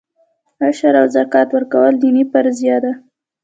عشر او زکات ورکول دیني فریضه ده.